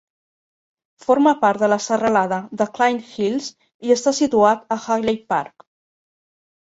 Forma part de la serralada de Client Hills i està situat a Hagley Park.